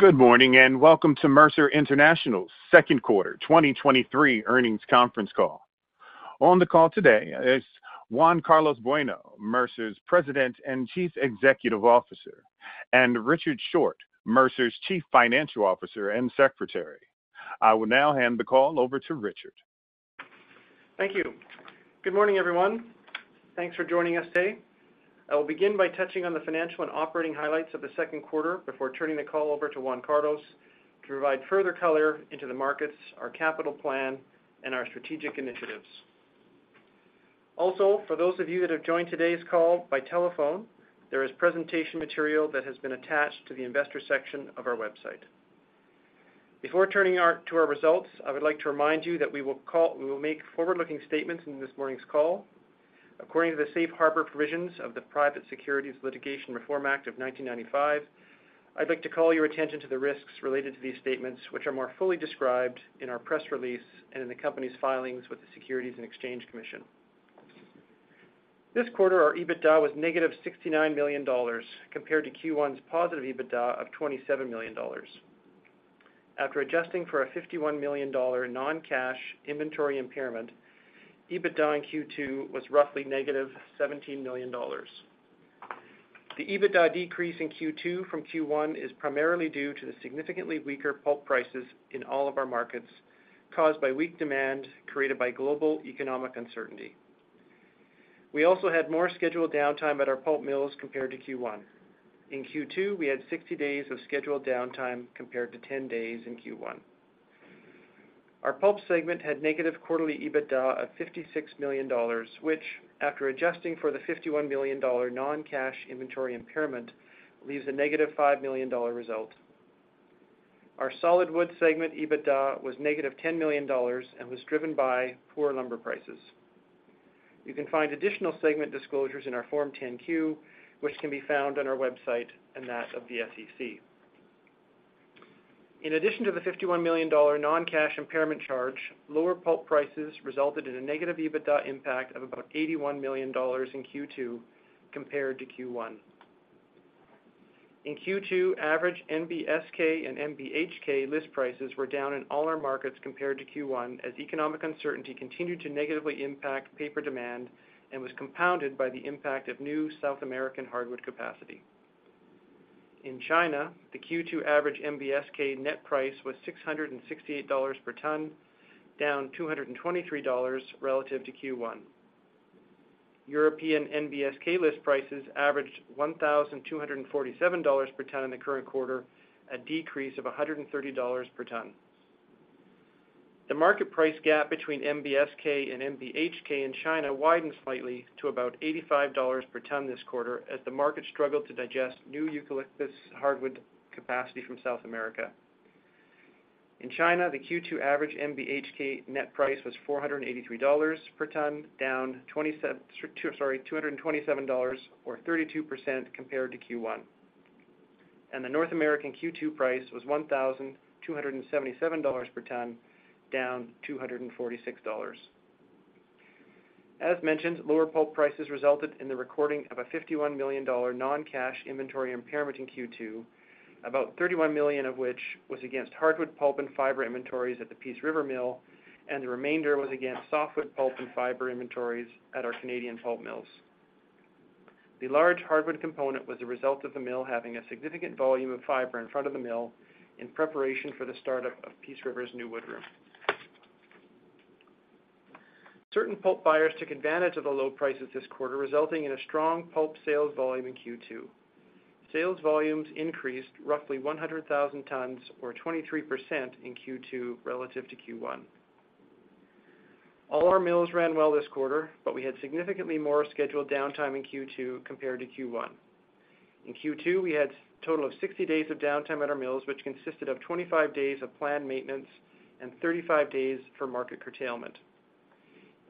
Good morning, and welcome to Mercer International's Second Quarter 2023 Earnings Conference Call. On the call today is Juan Carlos Bueno, Mercer's President and Chief Executive Officer, and Richard Short, Mercer's Chief Financial Officer and Secretary. I will now hand the call over to Richard. Thank you. Good morning, everyone. Thanks for joining us today. I will begin by touching on the financial and operating highlights of the second quarter before turning the call over to Juan Carlos to provide further color into the markets, our capital plan, and our strategic initiatives. For those of you that have joined today's call by telephone, there is presentation material that has been attached to the investor section of our website. Before turning to our results, I would like to remind you that we will make forward-looking statements in this morning's call. According to the Safe Harbor Provisions of the Private Securities Litigation Reform Act of 1995, I'd like to call your attention to the risks related to these statements, which are more fully described in our press release and in the company's filings with the Securities and Exchange Commission. This quarter, our EBITDA was negative $69 million, compared to Q1's positive EBITDA of $27 million. After adjusting for a $51 million non-cash inventory impairment, EBITDA in Q2 was roughly negative $17 million. The EBITDA decrease in Q2 from Q1 is primarily due to the significantly weaker pulp prices in all of our markets, caused by weak demand created by global economic uncertainty. We also had more scheduled downtime at our pulp mills compared to Q1. In Q2, we had 60 days of scheduled downtime, compared to 10 days in Q1. Our pulp segment had negative quarterly EBITDA of $56 million, which, after adjusting for the $51 million non-cash inventory impairment, leaves a negative $5 million result. Our solid wood segment EBITDA was negative $10 million and was driven by poor lumber prices. You can find additional segment disclosures in our Form 10-Q, which can be found on our website and that of the SEC. In addition to the $51 million non-cash impairment charge, lower pulp prices resulted in a negative EBITDA impact of about $81 million in Q2 compared to Q1. In Q2, average NBSK and NBHK list prices were down in all our markets compared to Q1, as economic uncertainty continued to negatively impact paper demand and was compounded by the impact of new South American hardwood capacity. In China, the Q2 average NBSK net price was $668 per ton, down $223 relative to Q1. European NBSK list prices averaged $1,247 per ton in the current quarter, a decrease of $130 per ton. The market price gap between NBSK and NBHK in China widened slightly to about $85 per ton this quarter as the market struggled to digest new eucalyptus hardwood capacity from South America. In China, the Q2 average NBHK net price was $483 per ton, down $227 or 32% compared to Q1. The North American Q2 price was $1,277 per ton, down $246. As mentioned, lower pulp prices resulted in the recording of a $51 million non-cash inventory impairment in Q2, about $31 million of which was against hardwood pulp and fiber inventories at the Peace River Mill, and the remainder was against softwood pulp and fiber inventories at our Canadian pulp mills. The large hardwood component was a result of the mill having a significant volume of fiber in front of the mill in preparation for the start of Peace River's new wood room. Certain pulp buyers took advantage of the low prices this quarter, resulting in a strong pulp sales volume in Q2. Sales volumes increased roughly 100,000 tons or 23% in Q2 relative to Q1. All our mills ran well this quarter, but we had significantly more scheduled downtime in Q2 compared to Q1. In Q2, we had total of 60 days of downtime at our mills, which consisted of 25 days of planned maintenance and 35 days for market curtailment.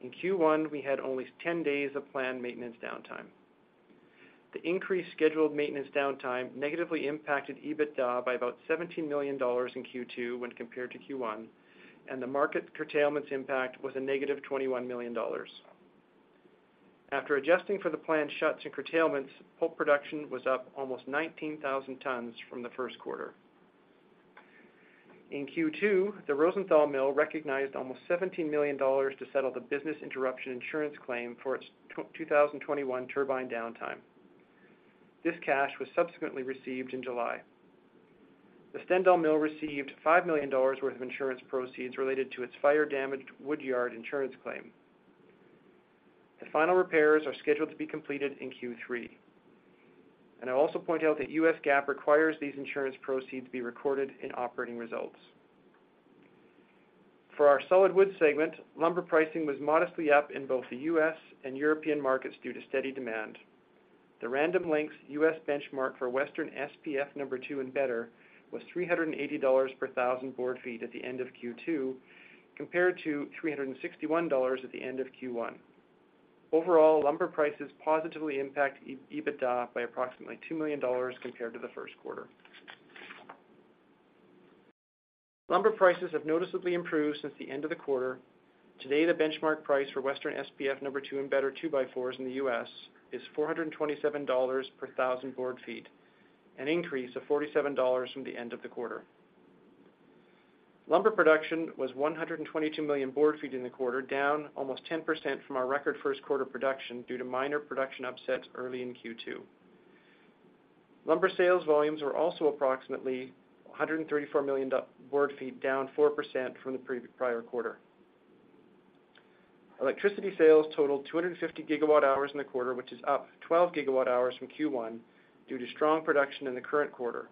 In Q1, we had only 10 days of planned maintenance downtime. The increased scheduled maintenance downtime negatively impacted EBITDA by about $17 million in Q2 when compared to Q1. The market curtailments impact was a negative $21 million. After adjusting for the planned shuts and curtailments, pulp production was up almost 19,000 tons from the first quarter. In Q2, the Rosenthal Mill recognized almost $17 million to settle the business interruption insurance claim for its 2021 turbine downtime. This cash was subsequently received in July. The Stendal Mill received $5 million worth of insurance proceeds related to its fire-damaged woodyard insurance claim. The final repairs are scheduled to be completed in Q3. I also point out that U.S. GAAP requires these insurance proceeds be recorded in operating results. For our solid wood segment, lumber pricing was modestly up in both the U.S. and European markets due to steady demand. The Random Lengths U.S. benchmark for Western SPF number two and better was $380 per 1,000 board feet at the end of Q2, compared to $361 at the end of Q1. Overall, lumber prices positively impact EBITDA by approximately $2 million compared to the first quarter. Lumber prices have noticeably improved since the end of the quarter. Today, the benchmark price for Western SPF number two and better two-by-fours in the U.S. is $427 per 1,000 board feet, an increase of $47 from the end of the quarter. Lumber production was 122 million board feet in the quarter, down almost 10% from our record first quarter production due to minor production upsets early in Q2. Lumber sales volumes were also approximately $134 million board feet, down 4% from the prior quarter. Electricity sales totaled 250 gigawatt hours in the quarter, which is up 12 gigawatt hours from Q1, due to strong production in the current quarter.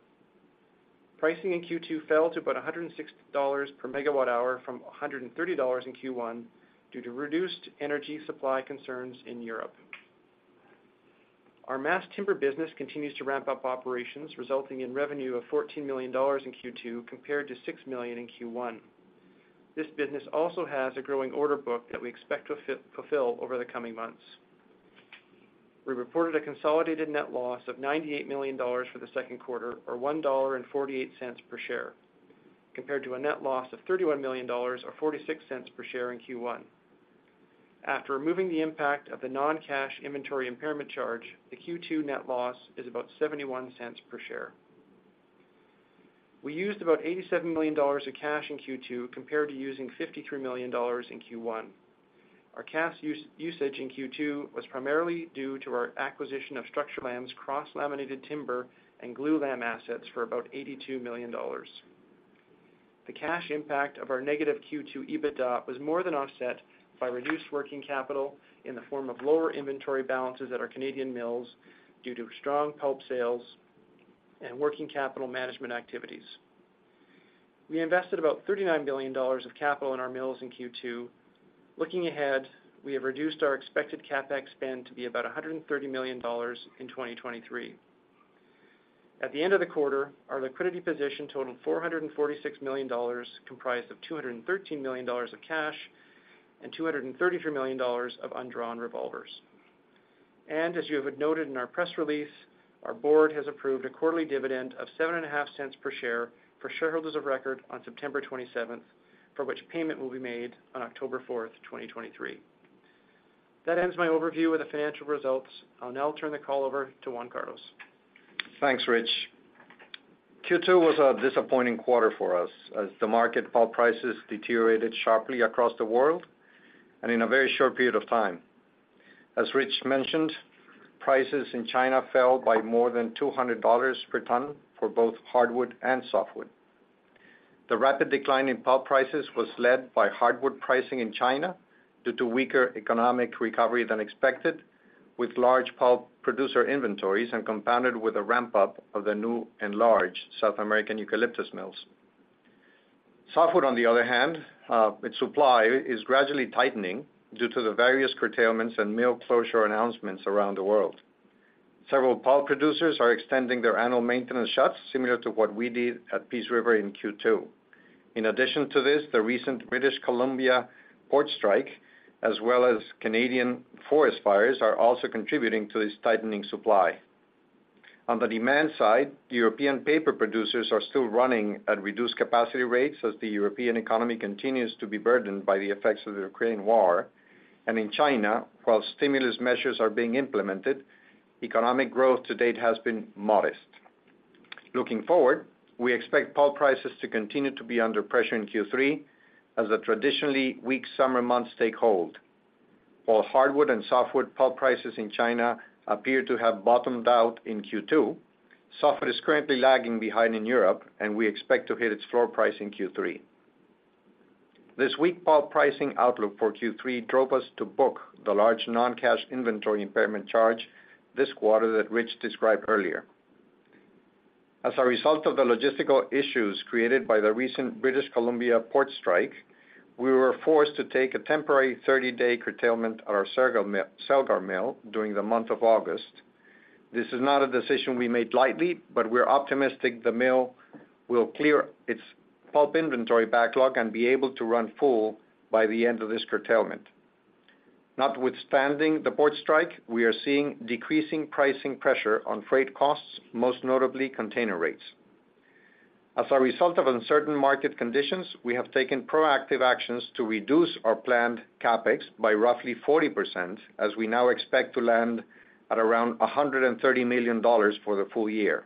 Pricing in Q2 fell to about $160 per megawatt hour from $130 in Q1, due to reduced energy supply concerns in Europe. Our mass timber business continues to ramp up operations, resulting in revenue of $14 million in Q2 compared to $6 million in Q1. This business also has a growing order book that we expect to fulfill over the coming months. We reported a consolidated net loss of $98 million for the second quarter, or $1.48 per share, compared to a net loss of $31 million, or $0.46 per share in Q1. After removing the impact of the non-cash inventory impairment charge, the Q2 net loss is about $0.71 per share. We used about $87 million of cash in Q2, compared to using $53 million in Q1. Our cash usage in Q2 was primarily due to our acquisition of Structurlam's cross-laminated timber and glulam assets for about $82 million. The cash impact of our negative Q2 EBITDA was more than offset by reduced working capital in the form of lower inventory balances at our Canadian mills due to strong pulp sales and working capital management activities. We invested about $39 million of capital in our mills in Q2. Looking ahead, we have reduced our expected CapEx spend to be about $130 million in 2023. At the end of the quarter, our liquidity position totaled $446 million, comprised of $213 million of cash and $233 million of undrawn revolvers. As you have noted in our press release, our board has approved a quarterly dividend of $0.075 per share for shareholders of record on September 27th, for which payment will be made on October 4th, 2023. That ends my overview of the financial results. I'll now turn the call over to Juan Carlos. Thanks, Rich. Q2 was a disappointing quarter for us as the market pulp prices deteriorated sharply across the world and in a very short period of time. As Rich mentioned, prices in China fell by more than $200 per ton for both hardwood and softwood. The rapid decline in pulp prices was led by hardwood pricing in China due to weaker economic recovery than expected, with large pulp producer inventories and compounded with a ramp-up of the new and large South American eucalyptus mills. Softwood, on the other hand, its supply is gradually tightening due to the various curtailments and mill closure announcements around the world. Several pulp producers are extending their annual maintenance shuts, similar to what we did at Peace River in Q2. In addition to this, the recent British Columbia port strike, as well as Canadian forest fires, are also contributing to this tightening supply. On the demand side, European paper producers are still running at reduced capacity rates as the European economy continues to be burdened by the effects of the Ukrainian war, and in China, while stimulus measures are being implemented, economic growth to date has been modest. Looking forward, we expect pulp prices to continue to be under pressure in Q3 as the traditionally weak summer months take hold. While hardwood and softwood pulp prices in China appear to have bottomed out in Q2, softwood is currently lagging behind in Europe, and we expect to hit its floor price in Q3. This weak pulp pricing outlook for Q3 drove us to book the large non-cash inventory impairment charge this quarter that Rich described earlier. As a result of the logistical issues created by the recent British Columbia port strike, we were forced to take a temporary 30-day curtailment at our Celgar Mill during the month of August. This is not a decision we made lightly, but we're optimistic the mill will clear its pulp inventory backlog and be able to run full by the end of this curtailment. Notwithstanding the port strike, we are seeing decreasing pricing pressure on freight costs, most notably container rates. As a result of uncertain market conditions, we have taken proactive actions to reduce our planned CapEx by roughly 40%, as we now expect to land at around $130 million for the full year.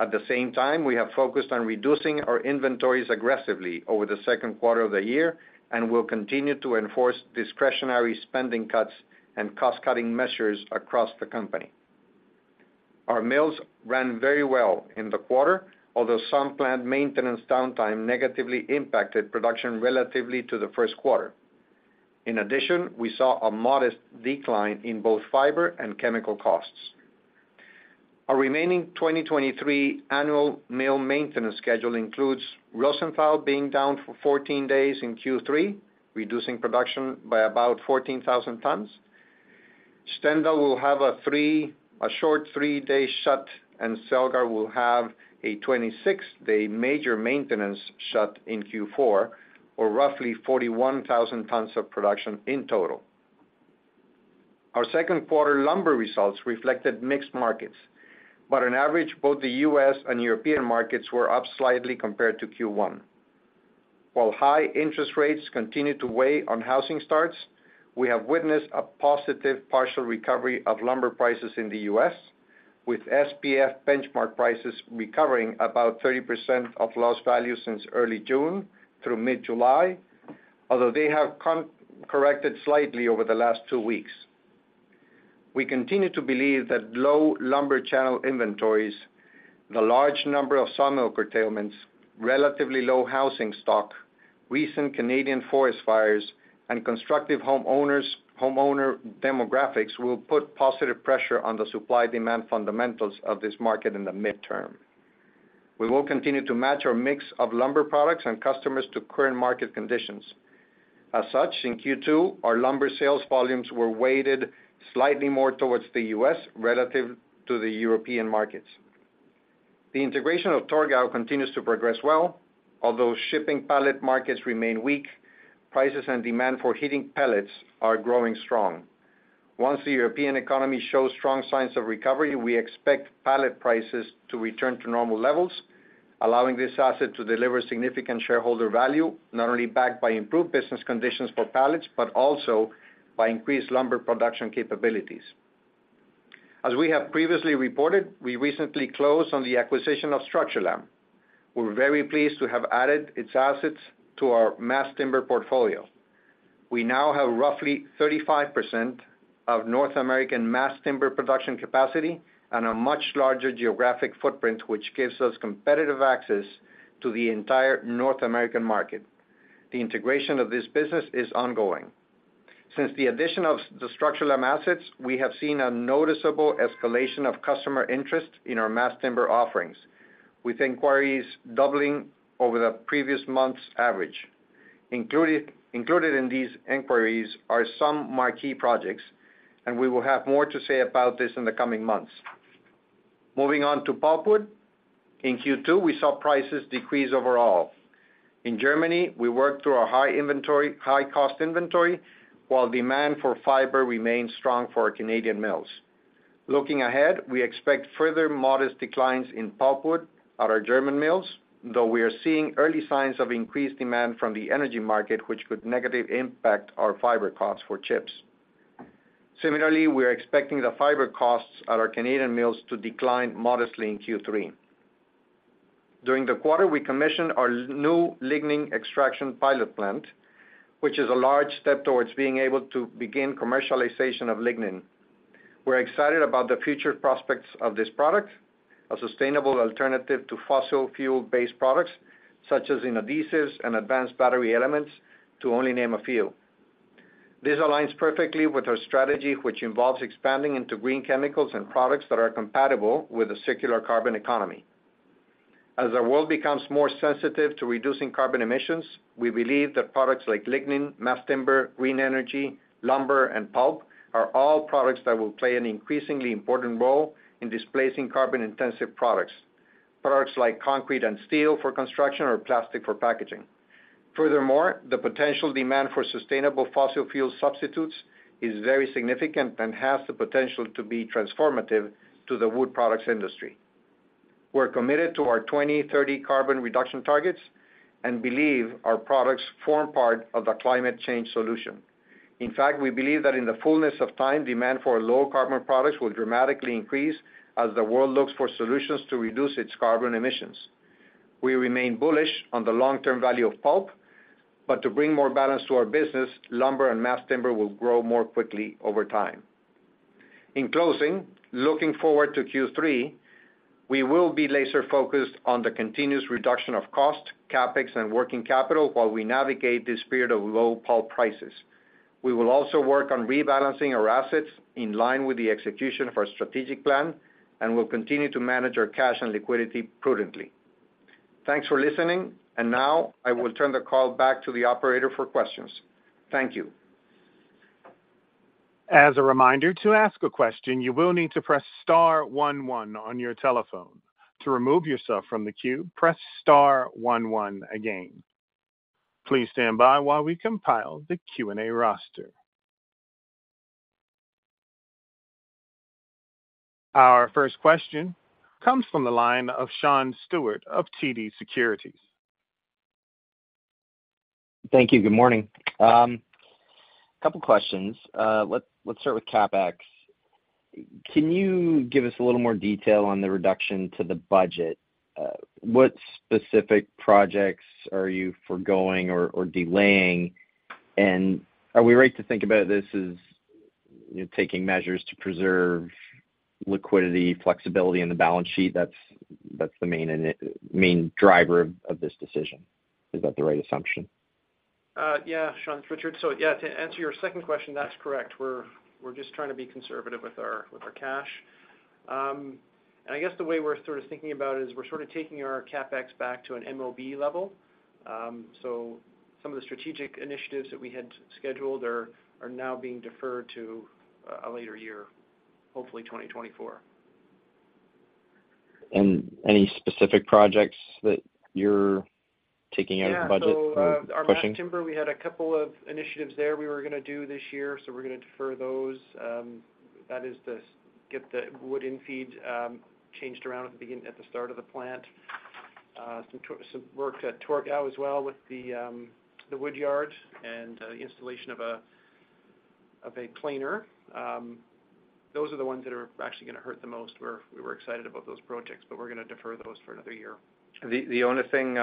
At the same time, we have focused on reducing our inventories aggressively over the second quarter of the year and will continue to enforce discretionary spending cuts and cost-cutting measures across the company. Our mills ran very well in the quarter, although some plant maintenance downtime negatively impacted production relatively to the first quarter. We saw a modest decline in both fiber and chemical costs. Our remaining 2023 annual mill maintenance schedule includes Rosenthal being down for 14 days in Q3, reducing production by about 14,000 tons. Stendal will have a short 3-day shut. Stendal will have a 26-day major maintenance shut in Q4, or roughly 41,000 tons of production in total. Our second quarter lumber results reflected mixed markets. On average, both the U.S. and European markets were up slightly compared to Q1. While high interest rates continue to weigh on housing starts, we have witnessed a positive partial recovery of lumber prices in the U.S., with SPF benchmark prices recovering about 30% of lost value since early June through mid-July, although they have corrected slightly over the last two weeks. We continue to believe that low lumber channel inventories, the large number of sawmill curtailments, relatively low housing stock, recent Canadian forest fires, and constructive homeowner demographics will put positive pressure on the supply-demand fundamentals of this market in the midterm. We will continue to match our mix of lumber products and customers to current market conditions. As such, in Q2, our lumber sales volumes were weighted slightly more towards the U.S. relative to the European markets. The integration of Torgau continues to progress well. Although shipping pallet markets remain weak, prices and demand for heating pellets are growing strong. Once the European economy shows strong signs of recovery, we expect pallet prices to return to normal levels, allowing this asset to deliver significant shareholder value, not only backed by improved business conditions for pallets, but also by increased lumber production capabilities. As we have previously reported, we recently closed on the acquisition of Structurlam. We're very pleased to have added its assets to our mass timber portfolio. We now have roughly 35% of North American mass timber production capacity and a much larger geographic footprint, which gives us competitive access to the entire North American market. The integration of this business is ongoing. Since the addition of the Structurlam assets, we have seen a noticeable escalation of customer interest in our mass timber offerings, with inquiries doubling over the previous month's average. Included in these inquiries are some marquee projects, and we will have more to say about this in the coming months. Moving on to pulpwood: In Q2, we saw prices decrease overall. In Germany, we worked through our high cost inventory, while demand for fiber remained strong for our Canadian mills. Looking ahead, we expect further modest declines in pulpwood at our German mills, though we are seeing early signs of increased demand from the energy market, which could negatively impact our fiber costs for chips. Similarly, we are expecting the fiber costs at our Canadian mills to decline modestly in Q3. During the quarter, we commissioned our new lignin extraction pilot plant, which is a large step towards being able to begin commercialization of lignin. We're excited about the future prospects of this product, a sustainable alternative to fossil fuel-based products, such as in adhesives and advanced battery elements, to only name a few. This aligns perfectly with our strategy, which involves expanding into green chemicals and products that are compatible with a circular carbon economy. As our world becomes more sensitive to reducing carbon emissions, we believe that products like lignin, mass timber, green energy, lumber, and pulp are all products that will play an increasingly important role in displacing carbon-intensive products, products like concrete and steel for construction or plastic for packaging. Furthermore, the potential demand for sustainable fossil fuel substitutes is very significant and has the potential to be transformative to the wood products industry. We're committed to our 2030 carbon reduction targets and believe our products form part of the climate change solution. In fact, we believe that in the fullness of time, demand for low carbon products will dramatically increase as the world looks for solutions to reduce its carbon emissions. We remain bullish on the long-term value of pulp, to bring more balance to our business, lumber and mass timber will grow more quickly over time. In closing, looking forward to Q3, we will be laser focused on the continuous reduction of cost, CapEx, and working capital while we navigate this period of low pulp prices. We will also work on rebalancing our assets in line with the execution of our strategic plan, and we'll continue to manage our cash and liquidity prudently. Thanks for listening. Now, I will turn the call back to the operator for questions. Thank you. As a reminder, to ask a question, you will need to press star one one on your telephone. To remove yourself from the queue, press star one one again. Please stand by while we compile the Q&A roster. Our first question comes from the line of Sean Steuart of TD Securities. Thank you. Good morning. Couple questions. Let's start with CapEx. Can you give us a little more detail on the reduction to the budget? What specific projects are you forgoing or delaying? Are we right to think about this as, you know, taking measures to preserve liquidity, flexibility in the balance sheet? That's the main driver of this decision. Is that the right assumption? Yeah, Sean, it's Richard. Yeah, to answer your second question, that's correct. We're just trying to be conservative with our cash. And I guess the way we're sort of thinking about it is we're sort of taking our CapEx back to an MOB level. Some of the strategic initiatives that we had scheduled are now being deferred to a later year, hopefully 2024.... and any specific projects that you're taking out of budget or pushing? Yeah, our mass timber, we had a couple of initiatives there we were gonna do this year. We're gonna defer those. That is to get the wood infeed, changed around at the at the start of the plant. Some work at Torgau as well with the, the wood yard and, installation of a, of a planer. Those are the ones that are actually gonna hurt the most, where we were excited about those projects. We're gonna defer those for another year. The, the only thing,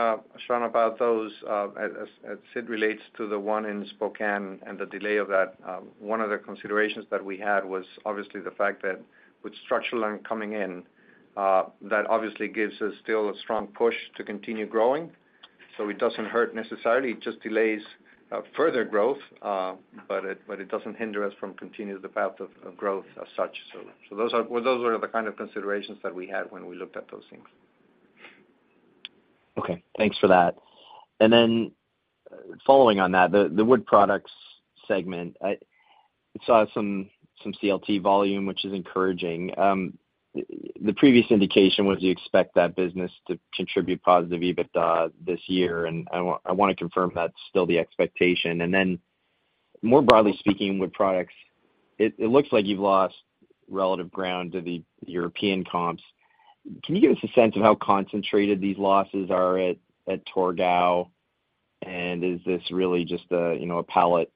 Sean, about those, as, it relates to the one in Spokane and the delay of that, one of the considerations that we had was obviously the fact that with Structurlam coming in, that obviously gives us still a strong push to continue growing. It doesn't hurt necessarily, it just delays further growth, but it, but it doesn't hinder us from continuing the path of, of growth as such. Those are the kind of considerations that we had when we looked at those things. Okay, thanks for that. Following on that, the, the wood products segment, I saw some, some CLT volume, which is encouraging. The previous indication was you expect that business to contribute positive EBITDA this year, and I want, I want to confirm that's still the expectation. More broadly speaking, wood products, it, it looks like you've lost relative ground to the European comps. Can you give us a sense of how concentrated these losses are at Torgau? Is this really just a, you know, a pallet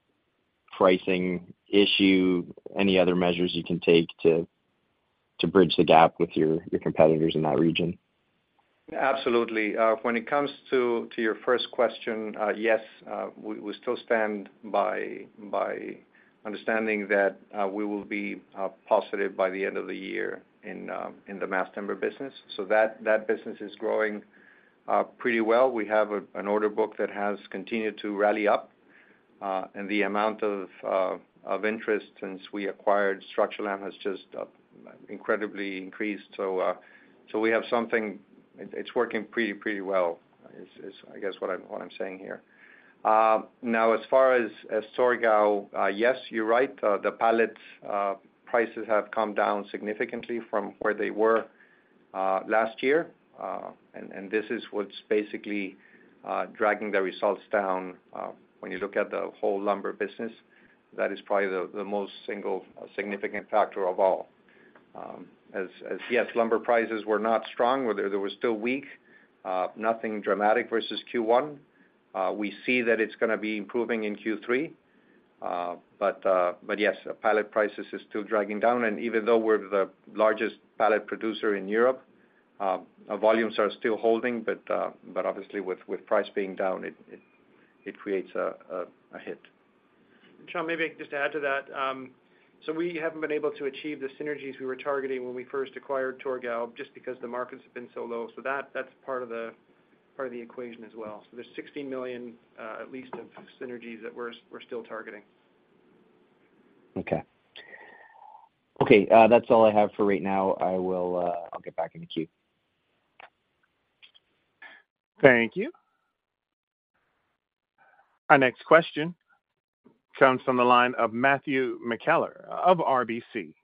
pricing issue? Any other measures you can take to, to bridge the gap with your, your competitors in that region? Absolutely. When it comes to your first question, yes, we still stand by understanding that we will be positive by the end of the year in the mass timber business. That business is growing pretty well. We have an order book that has continued to rally up, and the amount of interest since we acquired Structurlam has just incredibly increased. We have something. It's working pretty well, is, I guess, what I'm saying here. Now, as far as Torgau, yes, you're right, the pallet prices have come down significantly from where they were last year. This is what's basically dragging the results down. When you look at the whole lumber business, that is probably the, the most single significant factor of all. As, yes, lumber prices were not strong, where they were still weak, nothing dramatic versus Q1. We see that it's gonna be improving in Q3. Yes, pallet prices is still dragging down. Even though we're the largest pallet producer in Europe, our volumes are still holding, obviously with, with price being down, it, it, it creates a, a, a hit. Sean, maybe just to add to that, we haven't been able to achieve the synergies we were targeting when we first acquired Torgau, just because the markets have been so low. That, that's part of the, part of the equation as well. There's $16 million, at least, of synergies that we're still targeting. Okay. Okay, that's all I have for right now. I will, I'll get back in the queue. Thank you. Our next question comes from the line of Matthew McKellar of RBC.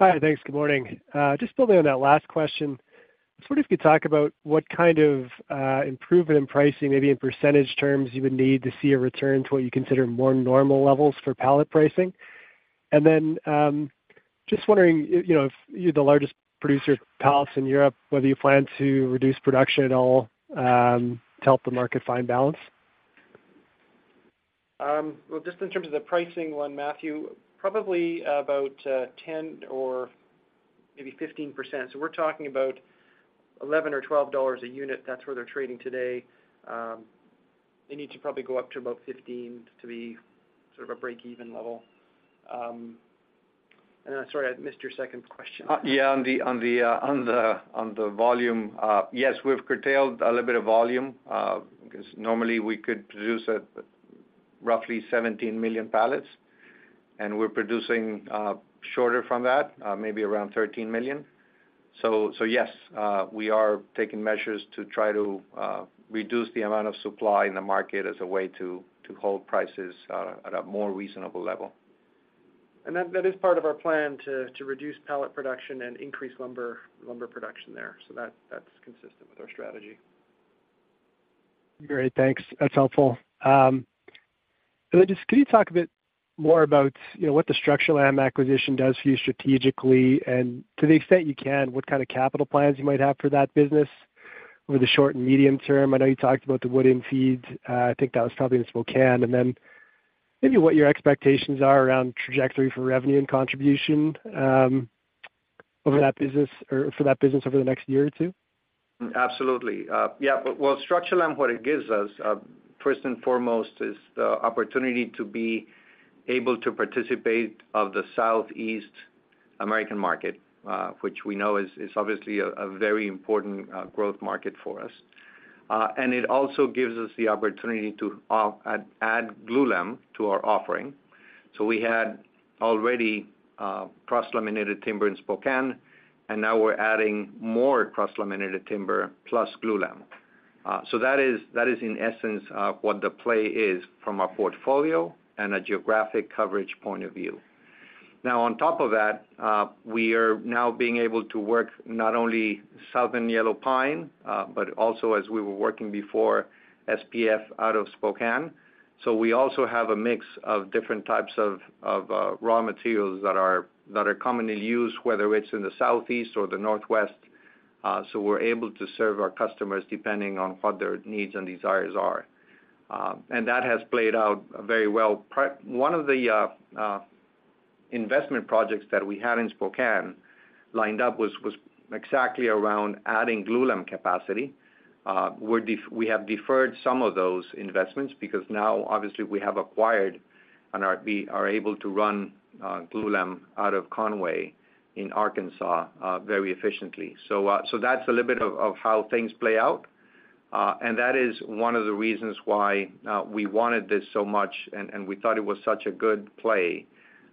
Hi, thanks. Good morning. Just building on that last question, I was wondering if you could talk about what kind of improvement in pricing, maybe in percentage terms, you would need to see a return to what you consider more normal levels for pallet pricing? Just wondering, you know, if you're the largest producer of pallets in Europe, whether you plan to reduce production at all, to help the market find balance? Well, just in terms of the pricing one, Matthew, probably about 10% or maybe 15%. We're talking about $11 or $12 a unit, that's where they're trading today. They need to probably go up to about $15 to be sort of a break-even level. Then, sorry, I missed your second question. Yeah, on the, on the, on the, on the volume, yes, we've curtailed a little bit of volume, because normally we could produce at roughly 17 million pallets, and we're producing shorter from that, maybe around 13 million. Yes, we are taking measures to try to reduce the amount of supply in the market as a way to hold prices at a more reasonable level. That, that is part of our plan to reduce pallet production and increase lumber production there. That, that's consistent with our strategy. Great, thanks. That's helpful. Just could you talk a bit more about, you know, what the Structurlam acquisition does for you strategically, and to the extent you can, what kind of capital plans you might have for that business over the short and medium term? I know you talked about the wood in feeds. I think that was probably in Spokane. Then maybe what your expectations are around trajectory for revenue and contribution over that business or for that business over the next year or two. Absolutely. Yeah, but well, Structurlam, what it gives us, first and foremost, is the opportunity to be able to participate of the Southeast American market, which we know is, is obviously a, a very important growth market for us. And it also gives us the opportunity to add, add glulam to our offering. We had already, cross-laminated timber in Spokane, and now we're adding more cross-laminated timber plus glulam. That is, that is in essence, what the play is from a portfolio and a geographic coverage point of view. Now, on top of that, we are now being able to work not only Southern yellow pine, but also as we were working before, SPF out of Spokane. We also have a mix of different types of, of raw materials that are, that are commonly used, whether it's in the southeast or the northwest. We're able to serve our customers depending on what their needs and desires are. That has played out very well. One of the investment projects that we had in Spokane lined up was, was exactly around adding glulam capacity. We have deferred some of those investments because now, obviously, we have acquired and we are able to run glulam out of Conway in Arkansas very efficiently. That's a little bit of, of how things play out. That is one of the reasons why we wanted this so much, and we thought it was such a good play.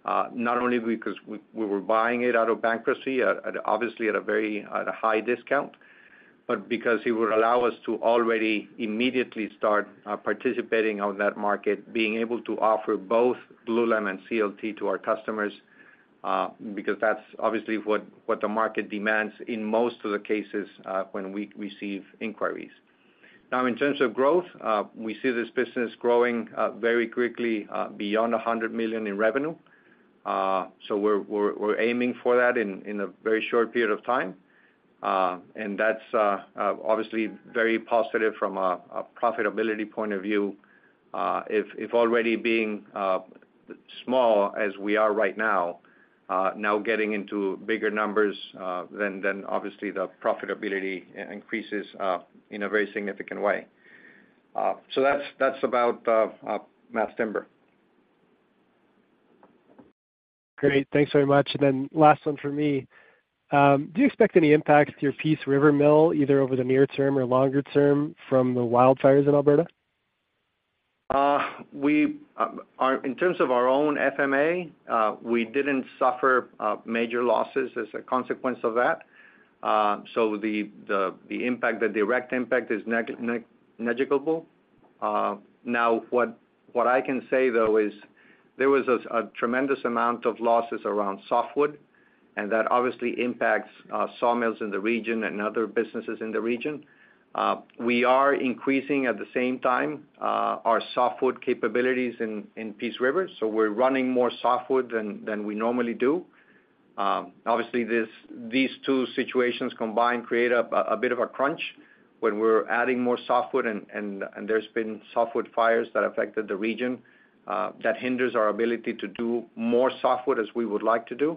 Not only because we, we were buying it out of bankruptcy at, obviously, at a very... at a high discount, but because it would allow us to already immediately start participating on that market, being able to offer both glulam and CLT to our customers, because that's obviously what, what the market demands in most of the cases, when we receive inquiries. Now, in terms of growth, we see this business growing very quickly, beyond $100 million in revenue. We're, we're, we're aiming for that in, in a very short period of time. That's obviously very positive from a profitability point of view. If, if already being small as we are right now, now getting into bigger numbers, then then obviously the profitability increases in a very significant way. That's, that's about, mass timber. Great. Thanks very much. Then last one for me. Do you expect any impacts to your Peace River Mill, either over the near term or longer term, from the wildfires in Alberta? In terms of our own FMA, we didn't suffer major losses as a consequence of that. The impact, the direct impact is negligible. Now, what I can say, though, is there was a tremendous amount of losses around softwood, and that obviously impacts sawmills in the region and other businesses in the region. We are increasing, at the same time, our softwood capabilities in Peace River, we're running more softwood than we normally do. Obviously, this, these two situations combined create a bit of a crunch when we're adding more softwood and there's been softwood fires that affected the region, that hinders our ability to do more softwood as we would like to do.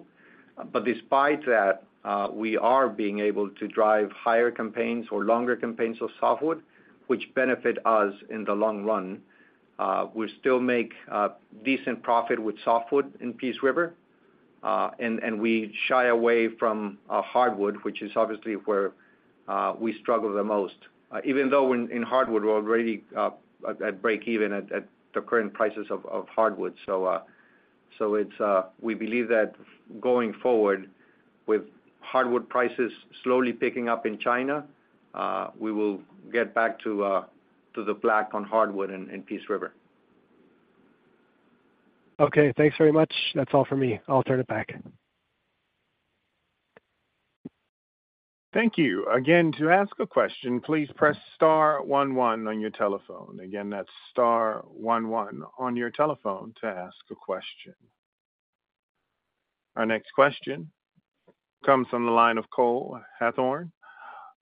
Despite that, we are being able to drive higher campaigns or longer campaigns of softwood, which benefit us in the long run. We still make decent profit with softwood in Peace River, and we shy away from hardwood, which is obviously where we struggle the most. Even though in hardwood, we're already at breakeven at the current prices of hardwood. We believe that going forward with hardwood prices slowly picking up in China, we will get back to the black on hardwood in Peace River. Okay, thanks very much. That's all for me. I'll turn it back. Thank you. Again, to ask a question, please press star one one on your telephone. Again, that's star one one on your telephone to ask a question. Our next question comes from the line of Cole Hathorn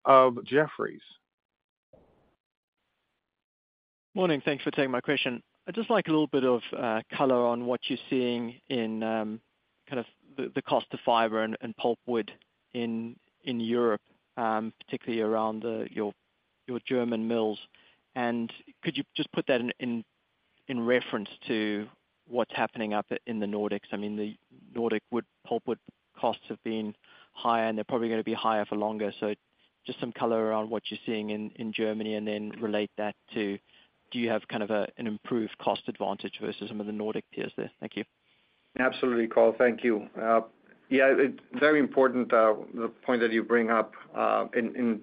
of Jefferies. Morning. Thanks for taking my question. I'd just like a little bit of color on what you're seeing in kind of the, the cost of fiber and pulpwood in Europe, particularly around your German mills. Could you just put that in reference to what's happening in the Nordics? I mean, the Nordic wood, pulpwood costs have been higher, and they're probably gonna be higher for longer. Just some color around what you're seeing in Germany, and then relate that to, do you have kind of an improved cost advantage versus some of the Nordic peers there? Thank you. Absolutely, Cole. Thank you. Yeah, it's very important, the point that you bring up in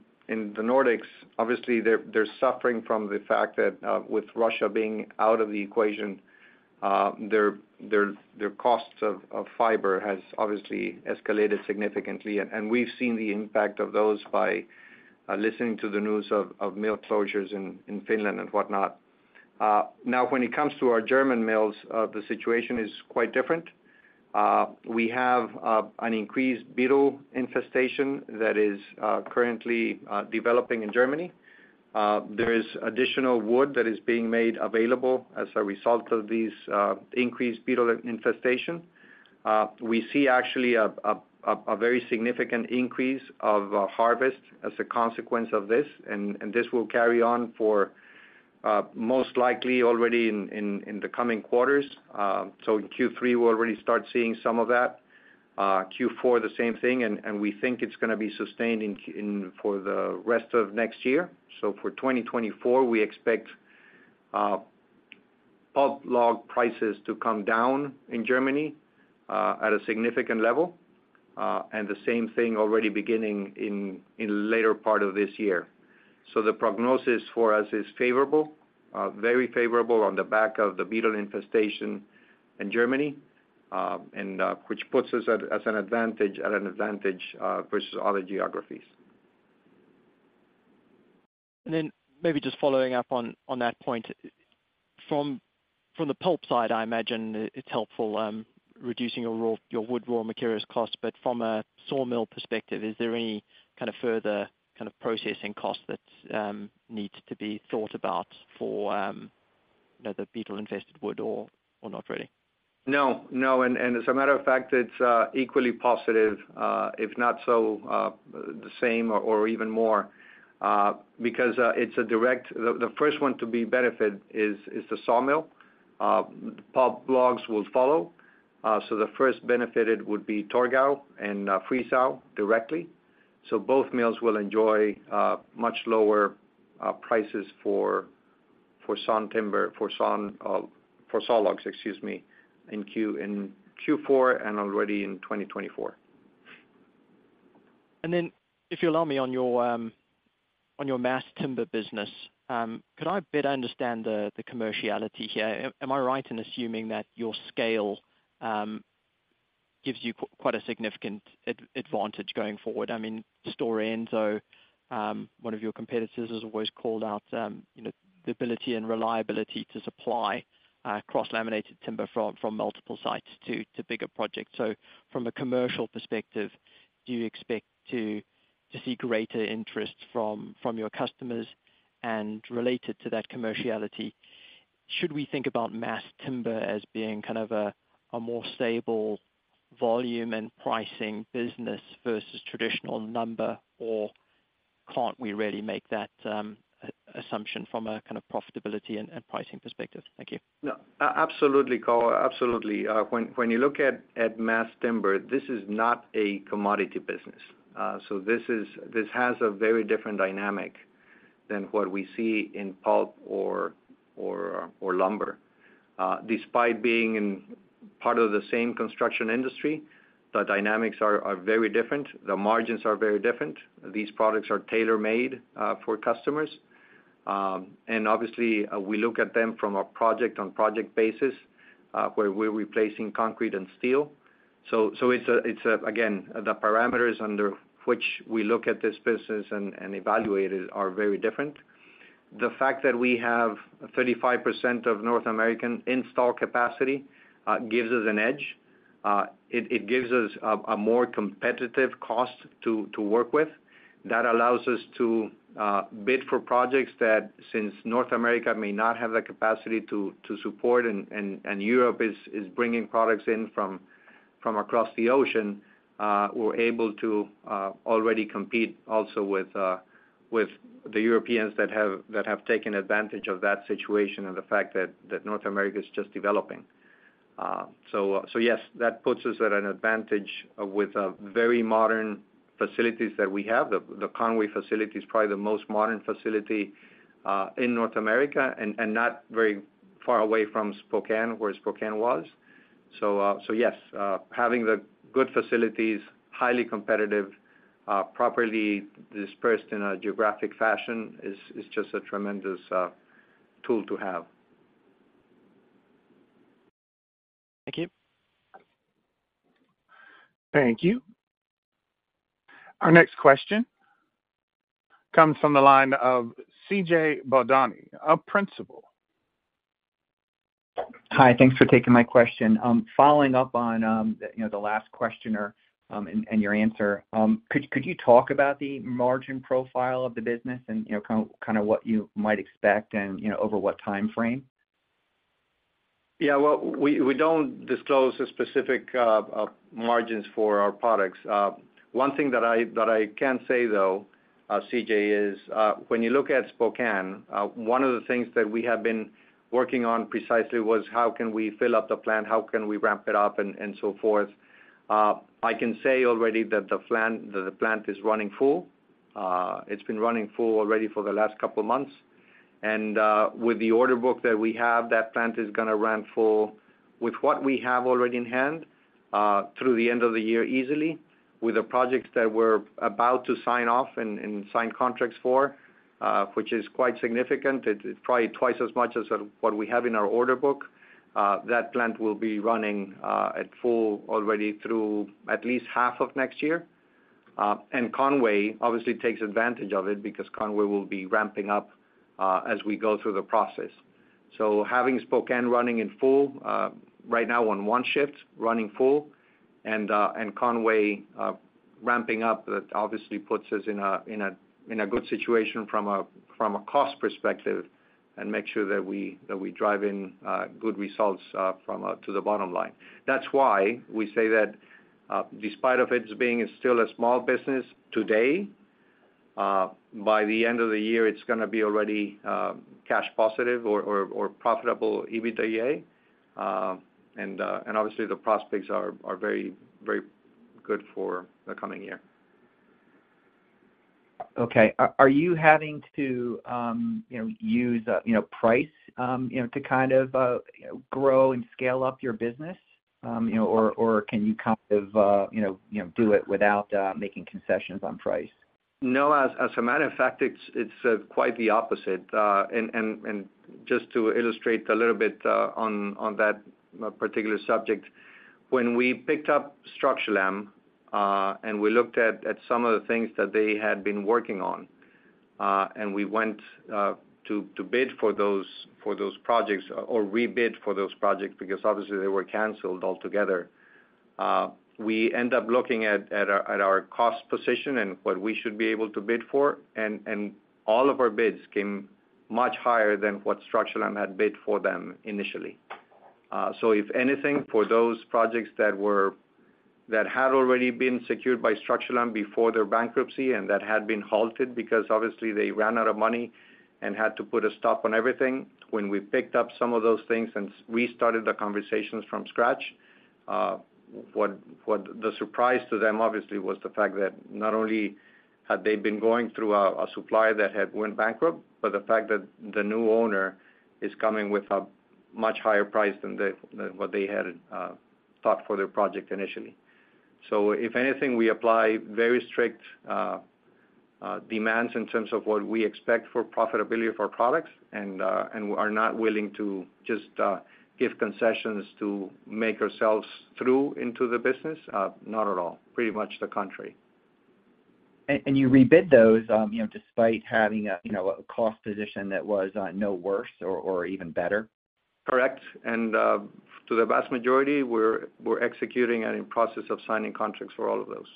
the Nordics. Obviously, they're suffering from the fact that with Russia being out of the equation, their costs of fiber has obviously escalated significantly. We've seen the impact of those by listening to the news of mill closures in Finland and whatnot. Now, when it comes to our German mills, the situation is quite different. We have an increased beetle infestation that is currently developing in Germany. There is additional wood that is being made available as a result of these increased beetle infestation. We see actually a very significant increase of harvest as a consequence of this, and this will carry on for most likely already in the coming quarters. In Q3, we'll already start seeing some of that, Q4, the same thing, and we think it's gonna be sustained for the rest of next year. For 2024, we expect pulp log prices to come down in Germany at a significant level. The same thing already beginning in later part of this year. The prognosis for us is favorable, very favorable on the back of the beetle infestation in Germany, and which puts us at, as an advantage, at an advantage versus other geographies. Then maybe just following up on, on that point, from, from the pulp side, I imagine it's helpful, reducing your wood raw materials cost, but from a sawmill perspective, is there any kind of further kind of processing cost that needs to be thought about for, you know, the beetle-infested wood or, or not really? No, no. As a matter of fact, it's equally positive, if not so, the same or even more, because it's a direct the, the first one to be benefit is, is the sawmill. Pulp logs will follow. The first benefited would be Torgau and Friesau directly. Both mills will enjoy much lower prices for, for sawn timber, for sawn, for sawlogs, excuse me, in Q4 and already in 2024. If you allow me on your on your mass timber business, could I better understand the commerciality here? Am I right in assuming that your scale gives you quite a significant advantage going forward? I mean Stora Enso, one of your competitors, has always called out, you know, the ability and reliability to supply cross-laminated timber from multiple sites to bigger projects. From a commercial perspective, do you expect to see greater interest from your customers? Related to that commerciality, should we think about mass timber as being kind of a more stable volume and pricing business versus traditional lumber, or can't we really make that assumption from a kind of profitability and pricing perspective? Thank you. No, absolutely, Cole. Absolutely. When, when you look at, at mass timber, this is not a commodity business. This has a very different dynamic than what we see in pulp or, or, or lumber. Despite being in part of the same construction industry, the dynamics are, are very different. The margins are very different. These products are tailor-made for customers. Obviously, we look at them from a project on project basis, where we're replacing concrete and steel. Again, the parameters under which we look at this business and, and evaluate it are very different. The fact that we have 35% of North American installed capacity gives us an edge. It, it gives us a, a more competitive cost to, to work with. That allows us to bid for projects that since North America may not have the capacity to, to support, and, and, and Europe is, is bringing products in from, from across the ocean, we're able to already compete also with with the Europeans that have, that have taken advantage of that situation and the fact that, that North America is just developing. So, yes, that puts us at an advantage with a very modern facilities that we have. The, the Conway facility is probably the most modern facility in North America and, and not very far away from Spokane, where Spokane was. So, yes, having the good facilities, highly competitive, properly dispersed in a geographic fashion is, is just a tremendous tool to have. Thank you. Thank you. Our next question comes from the line of CJ Baldoni of Principal. Hi, thanks for taking my question. Following up on, you know, the last questioner, and your answer, could you talk about the margin profile of the business and, you know, kind of what you might expect and, you know, over what time frame? Yeah. Well, we, we don't disclose the specific margins for our products. One thing that I, that I can say, though, CJ, is, when you look at Spokane, one of the things that we have been working on precisely was: How can we fill up the plant? How can we ramp it up, and so forth? I can say already that the plant is running full. It's been running full already for the last couple of months. With the order book that we have, that plant is gonna run full with what we have already in hand through the end of the year easily, with the projects that we're about to sign off and sign contracts for, which is quite significant. It's probably twice as much as what we have in our order book. That plant will be running at full already through at least half of next year. Conway obviously takes advantage of it because Conway will be ramping up as we go through the process. Having Spokane running in full, right now on one shift, running full, and Conway ramping up, that obviously puts us in a good situation from a cost perspective, and make sure that we, that we drive in good results to the bottom line. That's why we say that despite of it being still a small business today, by the end of the year, it's gonna be already cash positive or profitable EBITDA. Obviously, the prospects are very, very good for the coming year. Okay. Are you having to, you know, use, you know, price, you know, to kind of, grow and scale up your business? You know, or, or can you kind of, you know, you know, do it without making concessions on price? No, as, as a matter of fact, it's, it's quite the opposite. Just to illustrate a little bit on that particular subject. When we picked up Structurlam, and we looked at, at some of the things that they had been working on, and we went to, to bid for those, for those projects, or rebid for those projects, because obviously they were canceled altogether. We end up looking at, at our, at our cost position and what we should be able to bid for, and, and all of our bids came much higher than what Structurlam had bid for them initially. If anything, for those projects that had already been secured by Structurlam before their bankruptcy, and that had been halted because obviously they ran out of money and had to put a stop on everything. When we picked up some of those things and restarted the conversations from scratch, what, what the surprise to them, obviously, was the fact that not only had they been going through a, a supplier that had went bankrupt, but the fact that the new owner is coming with a much higher price than the, than what they had thought for their project initially. If anything, we apply very strict demands in terms of what we expect for profitability of our products, and we are not willing to just give concessions to make ourselves through into the business. Not at all. Pretty much the contrary. You rebid those, you know, despite having a, you know, a cost position that was no worse or, or even better? Correct. To the vast majority, we're, we're executing and in process of signing contracts for all of those.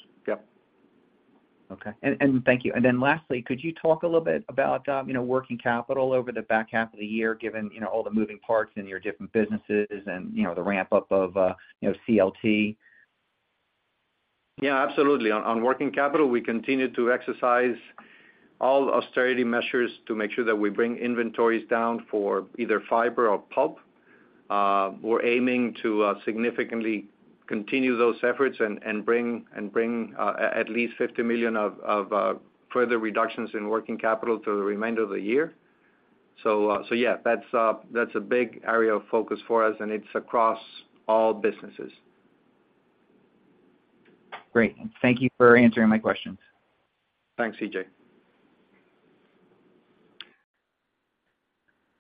Yep. Okay. Thank you. Lastly, could you talk a little bit about, you know, working capital over the back half of the year, given, you know, all the moving parts in your different businesses and, you know, the ramp-up of, you know, CLT? Yeah, absolutely. On, on working capital, we continue to exercise all austerity measures to make sure that we bring inventories down for either fiber or pulp. We're aiming to significantly continue those efforts and bring at least $50 million of further reductions in working capital through the remainder of the year. Yeah, that's a, that's a big area of focus for us, and it's across all businesses. Great. Thank you for answering my questions. Thanks, CJ.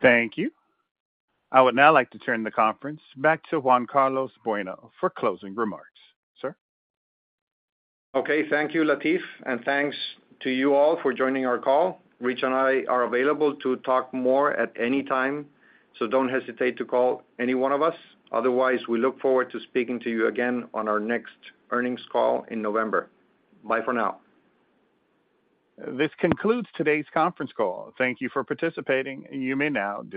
Thank you. I would now like to turn the conference back to Juan Carlos Bueno for closing remarks. Sir? Okay. Thank you, Latif, and thanks to you all for joining our call. Rich and I are available to talk more at any time, so don't hesitate to call any one of us. Otherwise, we look forward to speaking to you again on our next earnings call in November. Bye for now. This concludes today's conference call. Thank you for participating. You may now disconnect.